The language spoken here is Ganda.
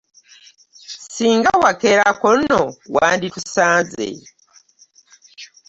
Ssinga wakeerako nno wanditusanze.